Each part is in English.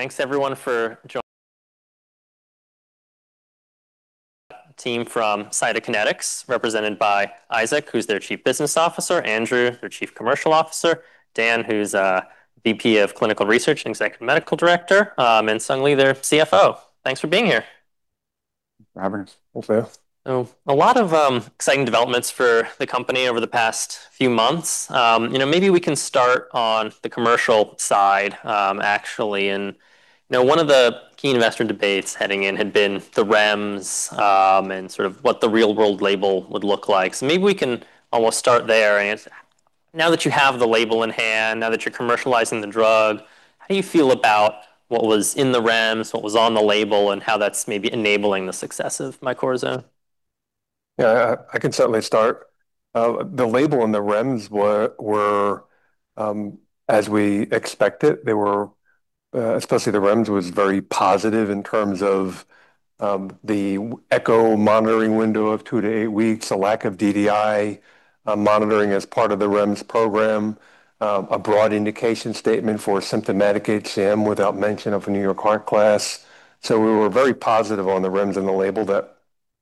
All right. Thanks everyone for team from Cytokinetics, represented by Isaac, who's their Chief Business Officer, Andrew, their Chief Commercial Officer, Dan, who's VP of Clinical Research and Executive Medical Director, and Sung Lee, their CFO. Thanks for being here. Thanks for having us. A lot of exciting developments for the company over the past few months. You know, maybe we can start on the commercial side, actually. You know, one of the key investor debates heading in had been the REMS, and sort of what the real-world label would look like. Maybe we can almost start there. Now that you have the label in hand, now that you're commercializing the drug, how do you feel about what was in the REMS, what was on the label, and how that's maybe enabling the success of MYKORZO? Yeah, I can certainly start. The label and the REMS were as we expected. They were, especially the REMS was very positive in terms of the echo monitoring window of two-to-eight weeks, a lack of DDI monitoring as part of the REMS program, a broad indication statement for symptomatic HCM without mention of New York Heart Class. We were very positive on the REMS and the label that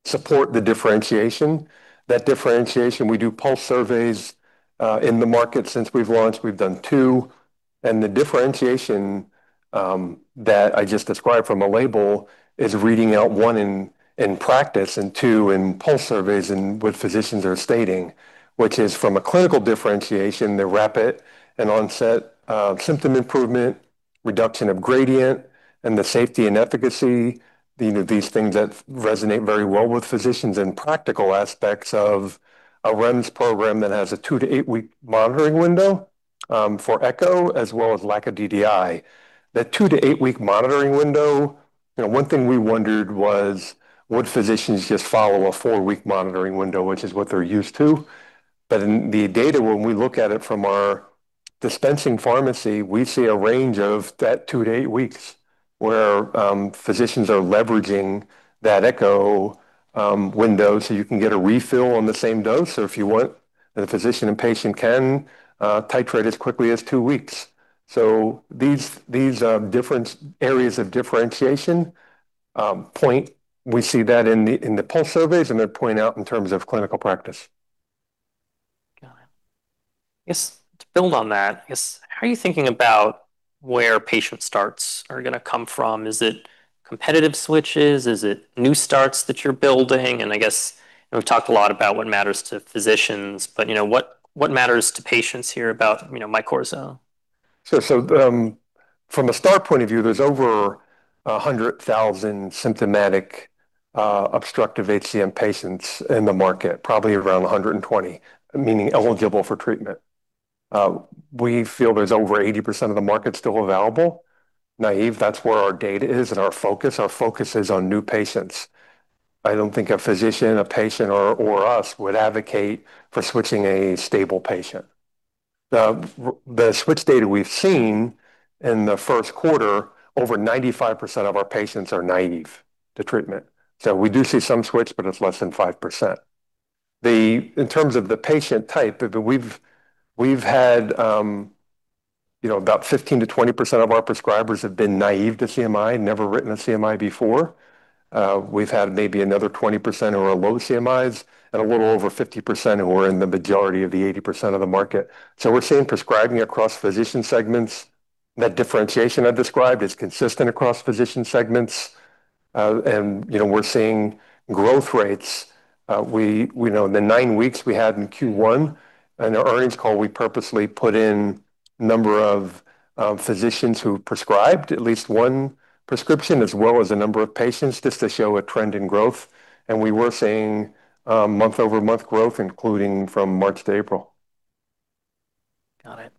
support the differentiation. That differentiation, we do pulse surveys in the market since we've launched, we've done two. The differentiation that I just described from a label is reading out one in practice and two in pulse surveys and what physicians are stating, which is from a clinical differentiation, the rapid and onset symptom improvement, reduction of gradient, and the safety and efficacy. You know, these things that resonate very well with physicians and practical aspects of a REMS program that has a two-to-eight-week monitoring window for echo as well as lack of DDI. That two-to-eight-week monitoring window, you know, one thing we wondered was would physicians just follow a four-week monitoring window, which is what they're used to. In the data, when we look at it from our dispensing pharmacy, we see a range of that two-to-eight weeks where physicians are leveraging that echo window, so you can get a refill on the same dose or if you want, the physician and patient can titrate as quickly as two weeks. These areas of differentiation point, we see that in the pulse surveys, and they point out in terms of clinical practice. Got it. I guess to build on that, I guess, how are you thinking about where patient starts are going to come from? Is it competitive switches? Is it new starts that you're building? I guess, you know, we've talked a lot about what matters to physicians, but you know, what matters to patients here about, you know, MYKORZO. From a start point of view, there's over 100,000 symptomatic, obstructive HCM patients in the market, probably around 120, meaning eligible for treatment. We feel there's over 80% of the market still available. Naive, that's where our data is and our focus. Our focus is on new patients. I don't think a physician, a patient, or us would advocate for switching a stable patient. The switch data we've seen in the first quarter, over 95% of our patients are naive to treatment. We do see some switch, but it's less than 5%. In terms of the patient type, we've had, you know, about 15%-20% of our prescribers have been naive to CMI, never written a CMI before. We've had maybe another 20% who are low CMIs and a little over 50% who are in the majority of the 80% of the market. We're seeing prescribing across physician segments. That differentiation I described is consistent across physician segments. You know, we're seeing growth rates. We know the nine weeks we had in Q1, in the earnings call, we purposely put in number of physicians who prescribed at least one prescription as well as the number of patients just to show a trend in growth. We were seeing month-over-month growth, including from March to April. Got it.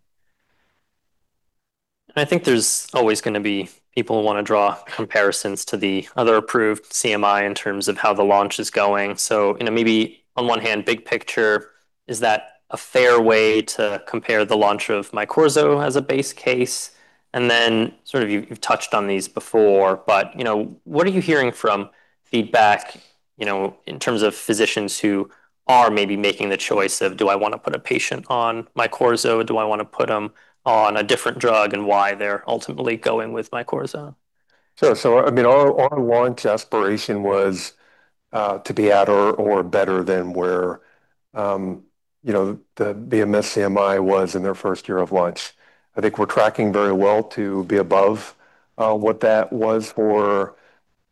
I think there's always gonna be people who wanna draw comparisons to the other approved CMI in terms of how the launch is going. You know, maybe on one hand, big picture, is that a fair way to compare the launch of MYKORZO as a base case? Then sort of you've touched on these before, but you know, what are you hearing from feedback, you know, in terms of physicians who are maybe making the choice of, do I wanna put a patient on MYKORZO? Do I wanna put them on a different drug, and why they're ultimately going with MYKORZO? Sure. I mean, our launch aspiration was to be at or better than where, you know, the BMS CMI was in their first year of launch. I think we're tracking very well to be above what that was for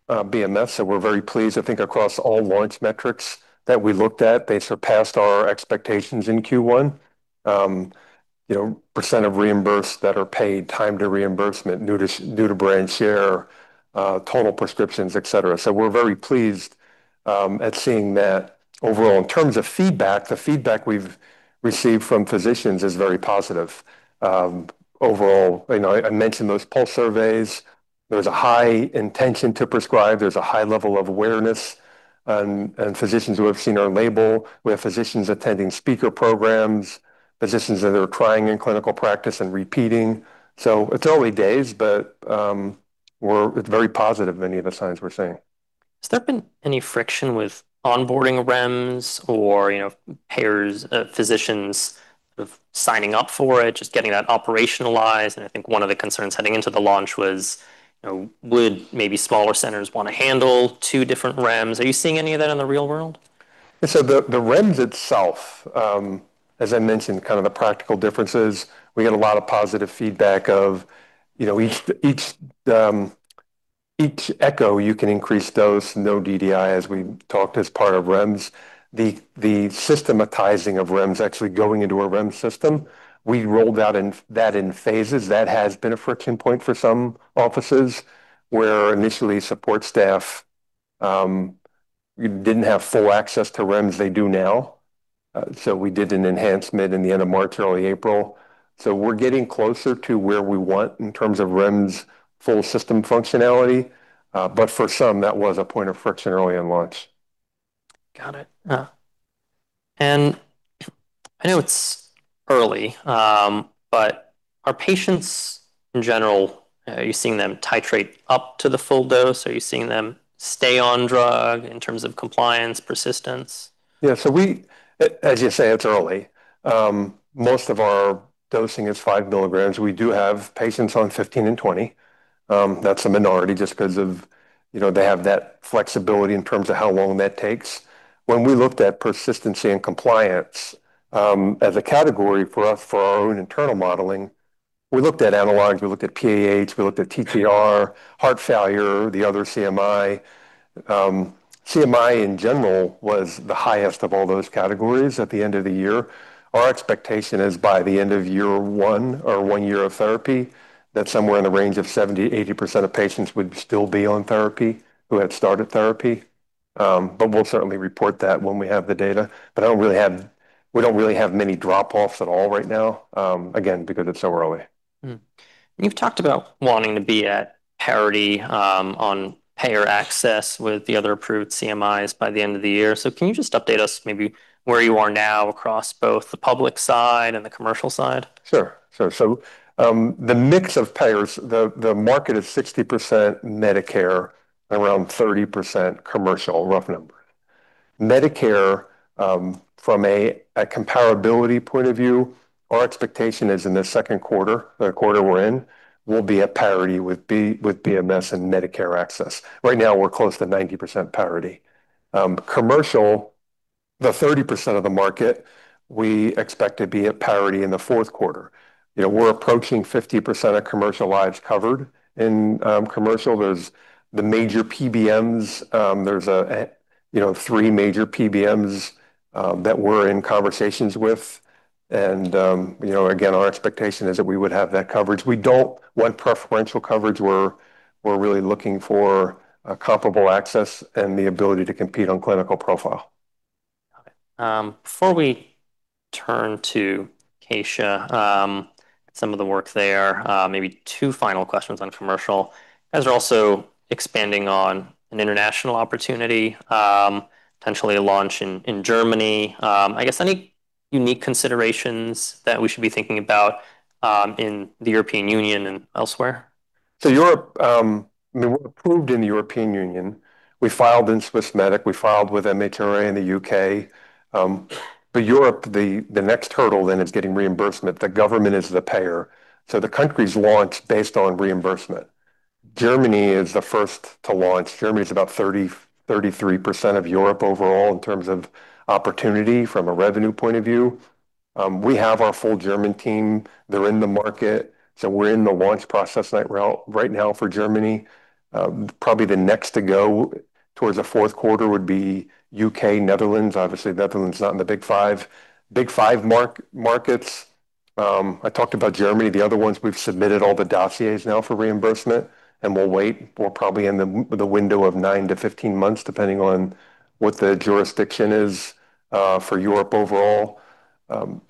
BMS. We're very pleased. I think across all launch metrics that we looked at, they surpassed our expectations in Q1. You know, percent of reimbursed that are paid, time to reimbursement, new to brand share, total prescriptions, et cetera. We're very pleased at seeing that overall. In terms of feedback, the feedback we've received from physicians is very positive. Overall, you know, I mentioned those pulse surveys. There's a high intention to prescribe, there's a high level of awareness, and physicians who have seen our label. We have physicians attending speaker programs, physicians that are trying in clinical practice and repeating. It's early days, but we're very positive, many of the signs we're seeing. Has there been any friction with onboarding REMS or, you know, pairs of physicians of signing up for it, just getting that operationalized? I think one of the concerns heading into the launch was, you know, would maybe smaller centers wanna handle two different REMS. Are you seeing any of that in the real world? The REMS itself, as I mentioned, kind of the practical differences, we get a lot of positive feedback of each echo you can increase dose, no DDI as we talked as part of REMS. The systematizing of REMS actually going into a REMS system, we rolled out that in phases. That has been a friction point for some offices, where initially support staff didn't have full access to REMS. They do now. We did an enhancement in the end of March, early April. We're getting closer to where we want in terms of REMS full system functionality, but for some that was a point of friction early on launch. Got it. I know it's early, but are patients in general, are you seeing them titrate up to the full dose? Are you seeing them stay on drug in terms of compliance, persistence? Yeah. As you say, it's early. Most of our dosing is 5 milligrams. We do have patients on 15 mg and 20 mg. That's a minority just 'cause of, you know, they have that flexibility in terms of how long that takes. When we looked at persistency and compliance, as a category for us for our own internal modeling, we looked at analogs, we looked at PAH, we looked at TEER, heart failure, the other CMI. CMI in general was the highest of all those categories at the end of the year. Our expectation is by the end of year one or one year of therapy, that somewhere in the range of 70%-80% of patients would still be on therapy who had started therapy. We'll certainly report that when we have the data. We don't really have many drop-offs at all right now, again, because it's so early. You've talked about wanting to be at parity on payer access with the other approved CMIs by the end of the year. Can you just update us maybe where you are now across both the public side and the commercial side? Sure. Sure. The mix of payers, the market is 60% Medicare, around 30% commercial, rough number. Medicare, from a comparability point of view, our expectation is in the second quarter, the quarter we're in, we'll be at parity with BMS and Medicare access. Right now we're close to 90% parity. Commercial, the 30% of the market we expect to be at parity in the fourth quarter. You know, we're approaching 50% of commercial lives covered in commercial. There's the major PBMs. There's a, you know, three major PBMs that we're in conversations with. You know, again, our expectation is that we would have that coverage. We don't want preferential coverage. We're really looking for a comparable access and the ability to compete on clinical profile. Got it. Before we turn to Katia, some of the work there, maybe two final questions on commercial. As you're also expanding on an international opportunity, potentially a launch in Germany, I guess any unique considerations that we should be thinking about in the European Union and elsewhere? Europe, we're approved in the European Union. We filed in Swissmedic, we filed with MHRA in the U.K. Europe, the next hurdle is getting reimbursement. The government is the payer. The countries launch based on reimbursement. Germany is the first to launch. Germany is about 30%-33% of Europe overall in terms of opportunity from a revenue point of view. We have our full German team. They're in the market. We're in the launch process right now for Germany. Probably the next to go towards the fourth quarter would be U.K., Netherlands. Obviously, Netherlands is not in the Big five. Big five markets, I talked about Germany. The other ones, we've submitted all the dossiers now for reimbursement, we'll wait. We're probably in the window of nine-to-15 months, depending on what the jurisdiction is for Europe overall.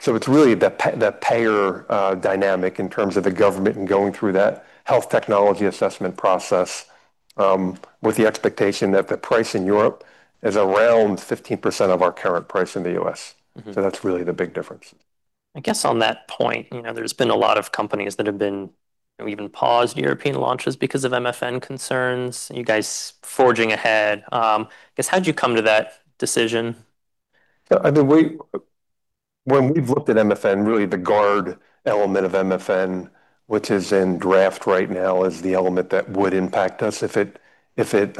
It's really the payer dynamic in terms of the government and going through that health technology assessment process with the expectation that the price in Europe is around 15% of our current price in the U.S. That's really the big difference. I guess on that point, you know, there's been a lot of companies that have even paused European launches because of Most-Favored-Nation concerns. You guys forging ahead. I guess how'd you come to that decision? I mean, when we've looked at MFN, really the GUARD Model element of MFN, which is in draft right now, is the element that would impact us if it, if it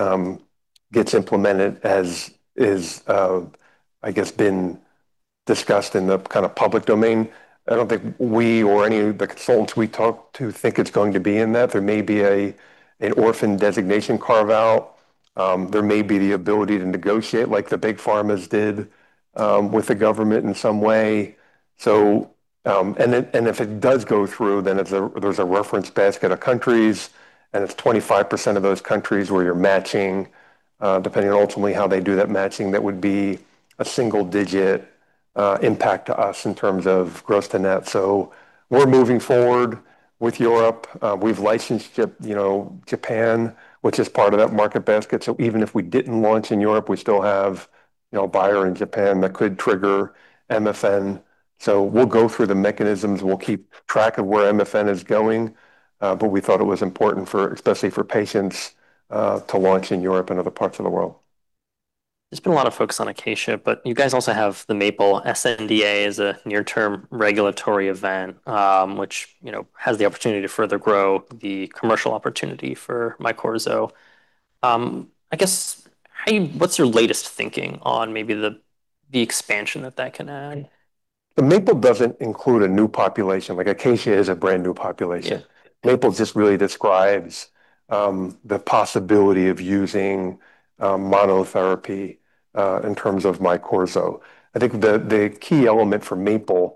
gets implemented as is, I guess been discussed in the kind of public domain. I don't think we or any of the consultants we talk to think it's going to be in that. There may be an orphan designation carve-out. There may be the ability to negotiate like the Big Pharmas did with the government in some way. If it does go through, then there's a reference basket of countries, and it's 25% of those countries where you're matching, depending on ultimately how they do that matching, that would be a single-digit impact to us in terms of gross to net. We're moving forward with Europe. We've licensed you know, Japan, which is part of that market basket. Even if we didn't launch in Europe, we still have, you know, Bayer in Japan that could trigger MFN. We'll go through the mechanisms, we'll keep track of where MFN is going, but we thought it was important for, especially for patients, to launch in Europe and other parts of the world. There's been a lot of focus on ACACIA-HCM, but you guys also have the MAPLE-HCM sNDA is a near-term regulatory event, which, you know, has the opportunity to further grow the commercial opportunity for MYKORZO. I guess what's your latest thinking on maybe the expansion that that can add? The MAPLE-HCM doesn't include a new population, like ACACIA-HCM is a brand-new population. Yeah. MAPLE-HCM just really describes the possibility of using monotherapy in terms of MYKORZO. I think the key element for MAPLE-HCM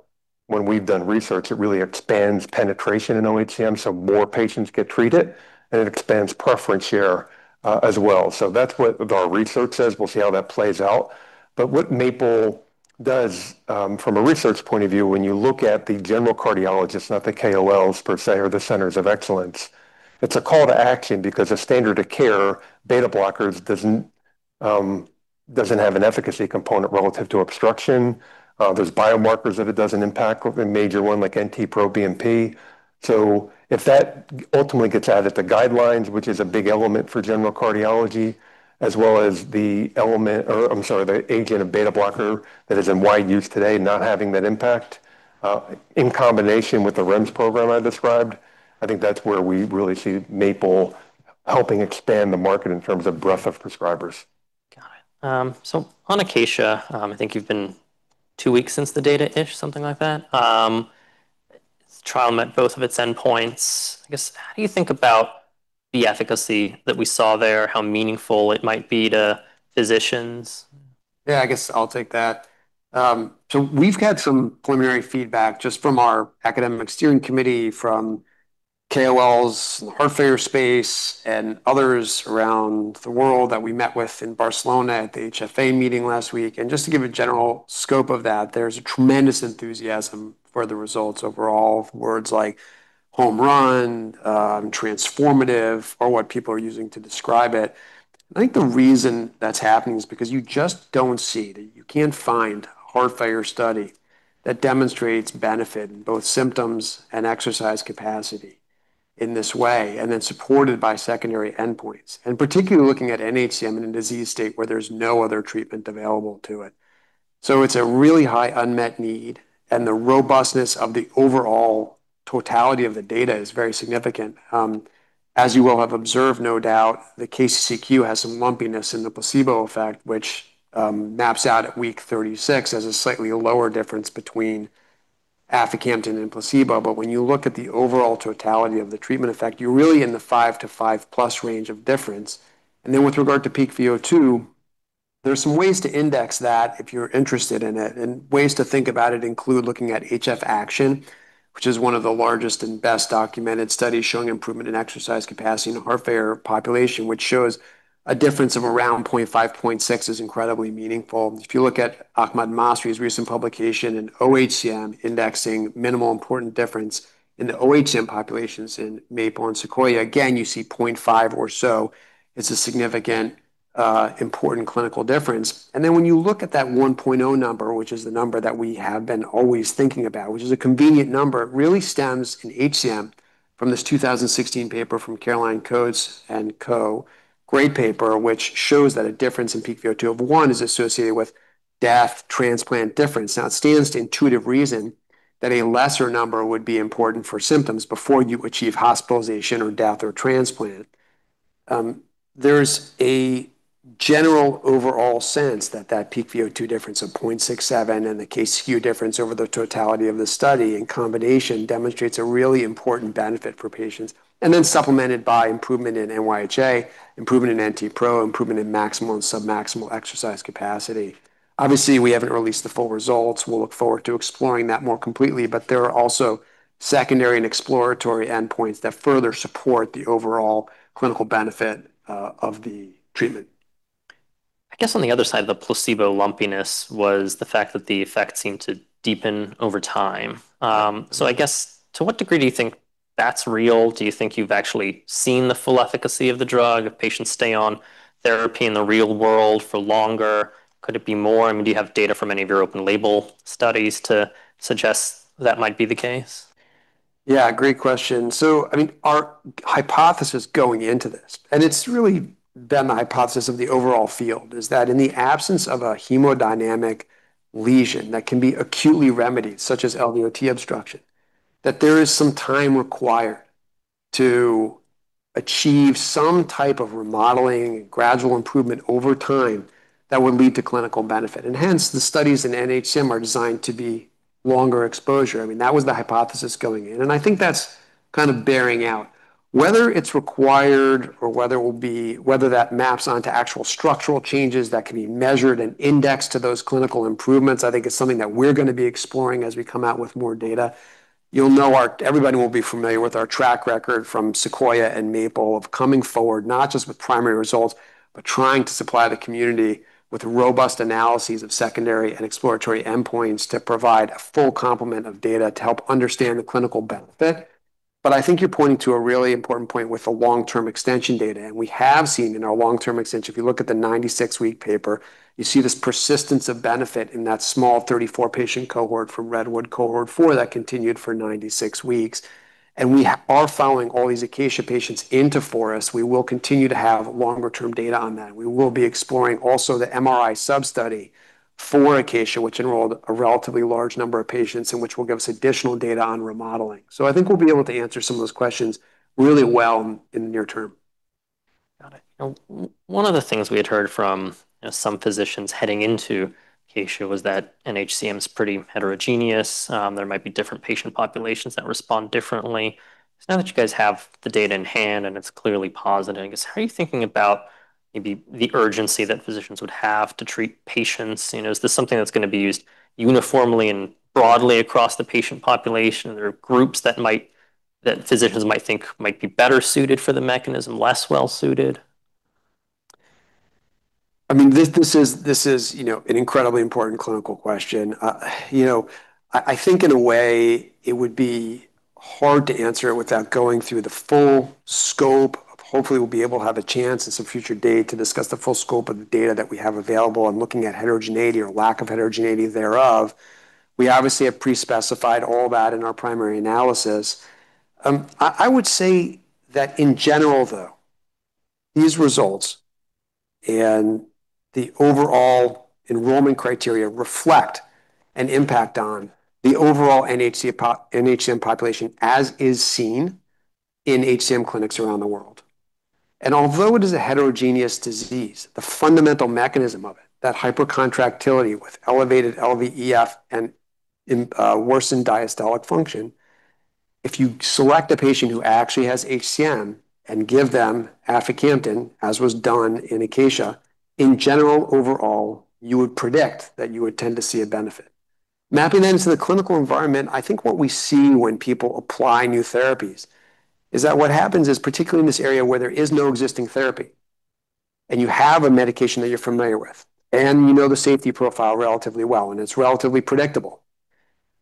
when we've done research, it really expands penetration in oHCM, so more patients get treated, and it expands preference share as well. That's what our research says. We'll see how that plays out. What MAPLE-HCM does from a research point of view, when you look at the general cardiologist, not the KOLs per se or the centers of excellence, it's a call to action because a standard of care beta blockers doesn't doesn't have an efficacy component relative to obstruction. There's biomarkers that it doesn't impact with a major one like NT-proBNP. If that ultimately gets added to guidelines, which is a big element for general cardiology, as well as the element or, I'm sorry, the agent, a beta blocker that is in wide use today not having that impact, in combination with the REMS program I described, I think that's where we really see MAPLE-HCM helping expand the market in terms of breadth of prescribers. Got it. On ACACIA-HCM, I think you've been two weeks since the data-ish, something like that. Trial met both of its endpoints. I guess, how do you think about the efficacy that we saw there, how meaningful it might be to physicians? Yeah, I guess I'll take that. We've got some preliminary feedback just from our academic steering committee, from KOLs, heart failure space, and others around the world that we met with in Barcelona at the HFA meeting last week. Just to give a general scope of that, there's a tremendous enthusiasm for the results overall, words like home run, transformative are what people are using to describe it. I think the reason that's happening is because you just don't see that you can't find heart failure study that demonstrates benefit in both symptoms and exercise capacity in this way, and then supported by secondary endpoints, and particularly looking at nHCM in a disease state where there's no other treatment available to it. It's a really high unmet need, and the robustness of the overall totality of the data is very significant. As you will have observed, no doubt, the KCCQ has some lumpiness in the placebo effect, which maps out at week 36 as a slightly lower difference between aficamten and placebo. When you look at the overall totality of the treatment effect, you're really in the 5-to-5+ range of difference. With regard to peak VO2, there are some ways to index that if you're interested in it. Ways to think about it include looking at HF-ACTION, which is one of the largest and best documented studies showing improvement in exercise capacity in a heart failure population, which shows a difference of around 0.5, 0.6 is incredibly meaningful. If you look at Ahmad Masri's recent publication in oHCM indexing minimal important difference in the oHCM populations in MAPLE-HCM and SEQUOIA-HCM, again, you see 0.5 or so. It's a significant, important clinical difference. When you look at that 1.0 number, which is the number that we have been always thinking about, which is a convenient number, it really stems in HCM from this 2016 paper from Caroline Coats and Co. Great paper, which shows that a difference in peak VO2 of one is associated with death transplant difference. It stands to intuitive reason that a lesser number would be important for symptoms before you achieve hospitalization or death or transplant. There's a general overall sense that that peak VO2 difference of 0.67 and the KCCQ difference over the totality of the study in combination demonstrates a really important benefit for patients, supplemented by improvement in NYHA, improvement in NT-pro, improvement in maximal and submaximal exercise capacity. Obviously, we haven't released the full results. We'll look forward to exploring that more completely, but there are also secondary and exploratory endpoints that further support the overall clinical benefit of the treatment. I guess on the other side of the placebo lumpiness was the fact that the effect seemed to deepen over time. I guess to what degree do you think that's real? Do you think you've actually seen the full efficacy of the drug? If patients stay on therapy in the real world for longer, could it be more? I mean, do you have data from any of your open label studies to suggest that might be the case? Yeah, great question. I mean, our hypothesis going into this, and it's really been the hypothesis of the overall field, is that in the absence of a hemodynamic lesion that can be acutely remedied, such as LVOT obstruction, that there is some time required to achieve some type of remodeling and gradual improvement over time that would lead to clinical benefit. Hence, the studies in nHCM are designed to be longer exposure. I mean, that was the hypothesis going in, and I think that's kind of bearing out. Whether it's required or whether that maps onto actual structural changes that can be measured and indexed to those clinical improvements, I think is something that we're going to be exploring as we come out with more data. You'll know everybody will be familiar with our track record from SEQUOIA-HCM and Maple of coming forward not just with primary results, but trying to supply the community with robust analyses of secondary and exploratory endpoints to provide a full complement of data to help understand the clinical benefit. I think you're pointing to a really important point with the long-term extension data, and we have seen in our long-term extension, if you look at the 96-week paper, you see this persistence of benefit in that small 34 patient cohort from REDWOOD-HCM Cohort 4 that continued for 96 weeks, and we are following all these ACACIA patients into FOREST-HCM. We will continue to have longer term data on that. We will be exploring also the MRI sub-study for ACACIA, which enrolled a relatively large number of patients and which will give us additional data on remodeling. I think we'll be able to answer some of those questions really well in the near term. Got it. One of the things we had heard from, you know, some physicians heading into ACACIA was that nHCM is pretty heterogeneous. There might be different patient populations that respond differently. Now that you guys have the data in hand and it's clearly positive, I guess, how are you thinking about maybe the urgency that physicians would have to treat patients? You know, is this something that's going to be used uniformly and broadly across the patient population? Are there groups that physicians might think might be better suited for the mechanism, less well suited? I mean, this is, you know, an incredibly important clinical question. You know, I think in a way it would be hard to answer it without going through the full scope. Hopefully, we'll be able to have a chance at some future date to discuss the full scope of the data that we have available and looking at heterogeneity or lack of heterogeneity thereof. We obviously have pre-specified all that in our primary analysis. I would say that in general, though, these results and the overall enrollment criteria reflect an impact on the overall nHCM population as is seen in HCM clinics around the world. Although it is a heterogeneous disease, the fundamental mechanism of it, that hypercontractility with elevated LVEF and worsened diastolic function, if you select a patient who actually has HCM and give them aficamten, as was done in ACACIA, in general, overall, you would predict that you would tend to see a benefit. Mapping that into the clinical environment, I think what we see when people apply new therapies is that what happens is, particularly in this area where there is no existing therapy, and you have a medication that you're familiar with, and you know the safety profile relatively well, and it's relatively predictable.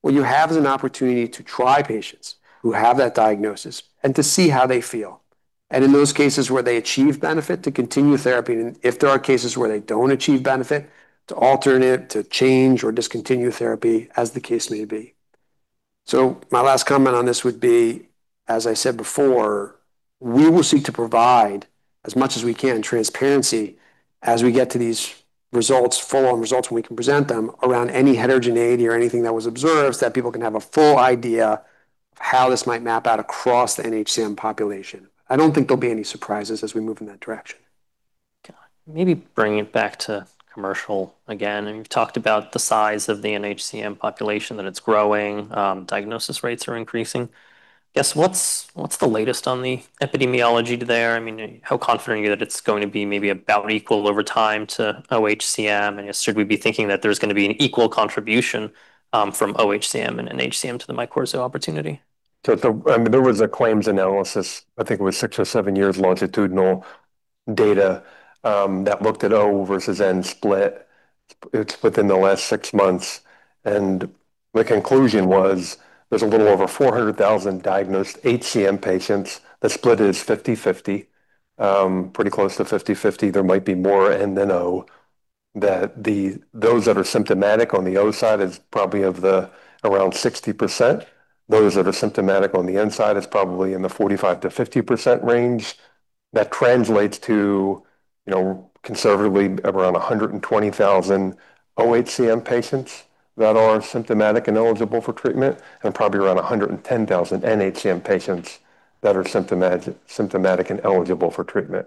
What you have is an opportunity to try patients who have that diagnosis and to see how they feel, and in those cases where they achieve benefit, to continue therapy, and if there are cases where they don't achieve benefit, to alternate, to change or discontinue therapy as the case may be. My last comment on this would be, as I said before, we will seek to provide as much as we can transparency as we get to these results, full-on results, when we can present them around any heterogeneity or anything that was observed, that people can have a full idea of how this might map out across the nHCM population. I don't think there'll be any surprises as we move in that direction. Got it. Maybe bring it back to commercial again. I mean, you've talked about the size of the nHCM population, that it's growing, diagnosis rates are increasing. I guess, what's the latest on the epidemiology there? I mean, how confident are you that it's going to be maybe about equal over time to oHCM, and should we be thinking that there's going to be an equal contribution from oHCM and nHCM to the MYKORZO opportunity? I mean, there was a claims analysis, I think it was six or seven years longitudinal data that looked at O versus N split. It's within the last six months, the conclusion was there's a little over 400,000 diagnosed HCM patients. The split is 50/50. Pretty close to 50/50. There might be more in the O, those that are symptomatic on the O side is probably around 60%. Those that are symptomatic on the N side is probably in the 45%-50% range. That translates to, you know, conservatively around 120,000 oHCM patients that are symptomatic and eligible for treatment, and probably around 110,000 nHCM patients that are symptomatic and eligible for treatment.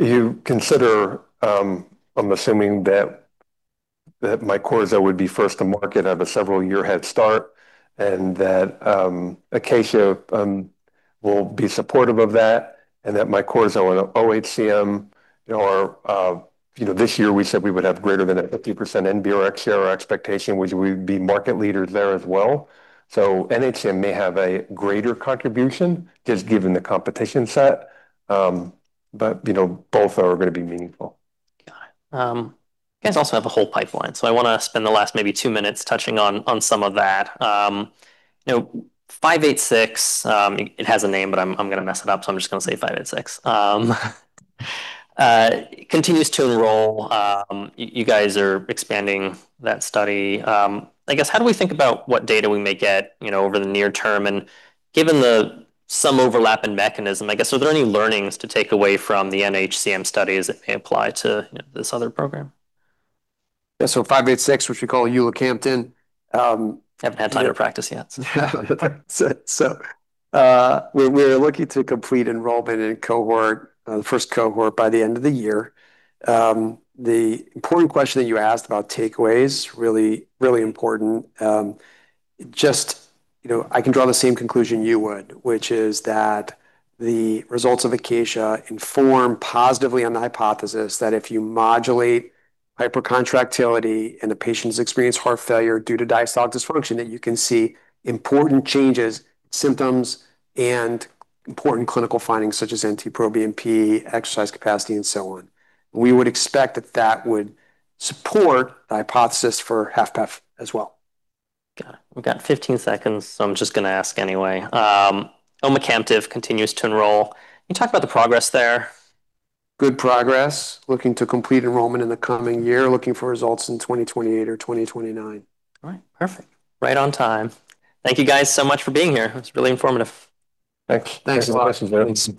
You consider, I'm assuming that MYKORZO would be first to market, have a several year head start, and that ACACIA will be supportive of that, and that MYKORZO and oHCM are, you know, this year we said we would have greater than a 50% NBRX share, our expectation which we'd be market leaders there as well. nHCM may have a greater contribution just given the competition set, but, you know, both are gonna be meaningful. Got it. You guys also have a whole pipeline, so I wanna spend the last maybe two minutes touching on some of that. You know, CK-586, it has a name, but I'm gonna mess it up, so I'm just gonna say CK-586. Continues to enroll. You guys are expanding that study. I guess, how do we think about what data we may get, you know, over the near term? Given the some overlap in mechanism, I guess, are there any learnings to take away from the nHCM studies that may apply to, you know, this other program? Yeah. CK-586, which we call ulacamten. Haven't had time to practice yet. We're looking to complete enrollment in cohort, the first cohort by the end of the year. The important question that you asked about takeaways, really important. Just, you know, I can draw the same conclusion you would, which is that the results of ACACIA inform positively on the hypothesis that if you modulate hypercontractility and the patients experience heart failure due to diastolic dysfunction, that you can see important changes, symptoms, and important clinical findings such as NT-proBNP, exercise capacity, and so on. We would expect that that would support the hypothesis for HFpEF as well. Got it. We've got 15 seconds, so I'm just gonna ask anyway. omecamtiv continues to enroll. Can you talk about the progress there? Good progress. Looking to complete enrollment in the coming year. Looking for results in 2028 or 2029. All right. Perfect. Right on time. Thank you guys so much for being here. It was really informative. Thanks. Thanks a lot.